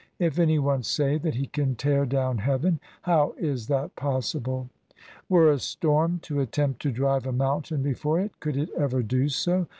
If any one say that he can tear down heaven, how is that possible ? Were a storm to attempt to drive a mountain before it, could it ever do so